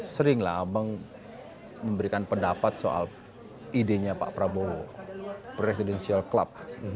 seringlah memberikan pendapat soal idenya pak prabowo presidential club